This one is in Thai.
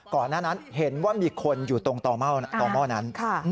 ก่อนหน้านั้นเห็นว่ามีคนอยู่ตรงต่อหม้อนั้น